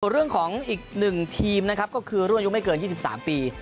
เรื่องของอีกหนึ่งทีมนะครับก็คือร่วมยุคไม่เกิน๒๓ปี